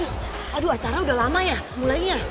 aduh aduh acara udah lama ya mulainya